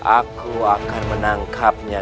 aku akan menangkapnya